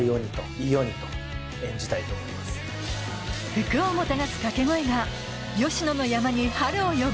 福をもたらす掛け声が吉野の山に春を呼ぶ